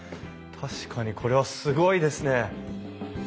確かにこれはすごいですね！